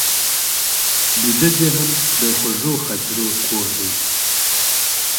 ویده ذهن د خوږو خاطرو کور دی